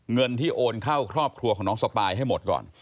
เงินที่โอนเข้าครอบครัวของน้องสปายให้หมดก่อน